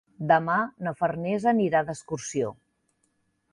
Demà na Farners anirà d'excursió.